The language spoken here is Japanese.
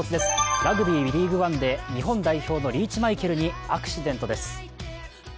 ラグビーＬＥＡＧＵＥＯＮＥで日本代表のリーチマイケルにアクシデントです。